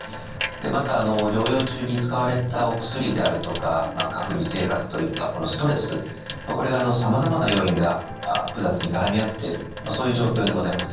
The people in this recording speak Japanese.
また療養中に使われたお薬であるとか隔離生活といったストレスさまざまな要因が複雑に絡み合ってそういう状況でございます。